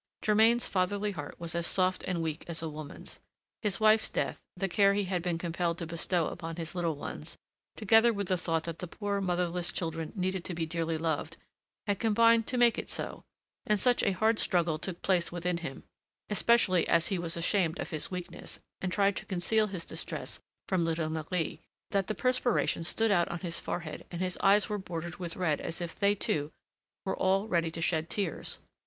Germain's fatherly heart was as soft and weak as a woman's. His wife's death, the care he had been compelled to bestow upon his little ones, together with the thought that the poor motherless children needed to be dearly loved, had combined to make it so, and such a hard struggle took place within him, especially as he was ashamed of his weakness, and tried to conceal his distress from little Marie, that the perspiration stood out on his forehead and his eyes were bordered with red as if they, too, were all ready to shed tears.